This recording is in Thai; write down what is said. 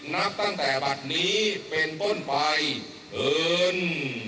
นับตั้งแต่บัตรนี้เป็นต้นไปเอิญ